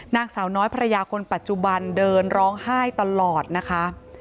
นางสาวน้อยภรรยาคนปัจจุบันเดินร้องไห้ตลอดนะคะ